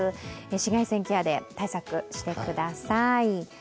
紫外線ケアで対策してください。